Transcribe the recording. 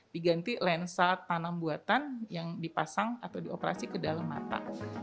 diganti lensa tanam buatan yang dipasang atau dioperasi ke dalam mata